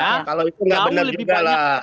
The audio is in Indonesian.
kalau itu nggak benar juga lah